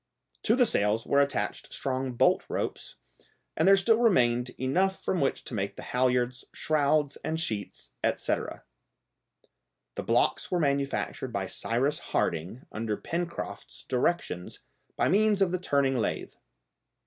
To the sails were attached strong bolt ropes, and there still remained enough from which to make the halliards, shrouds, and sheets, etc. The blocks were manufactured by Cyrus Harding under Pencroft's directions by means of the turning lathe.